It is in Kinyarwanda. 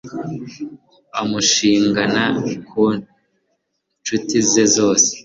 amushingana ku ncuti ze zose